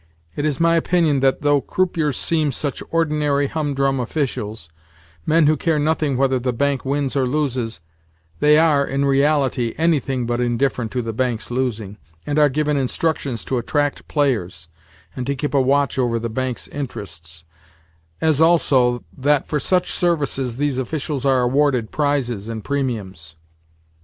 It is my opinion that though croupiers seem such ordinary, humdrum officials—men who care nothing whether the bank wins or loses—they are, in reality, anything but indifferent to the bank's losing, and are given instructions to attract players, and to keep a watch over the bank's interests; as also, that for such services, these officials are awarded prizes and premiums.